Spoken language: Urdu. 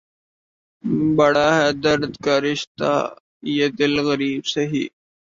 بڑا ہے درد کا رشتہ یہ دل غریب سہی